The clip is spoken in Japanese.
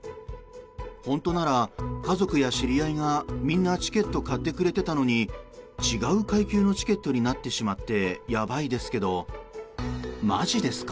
ほんとなら家族や知り合いがみんなチケット買ってくれてたのに違う階級のチケットになってしまって、やばいですけどマジですか？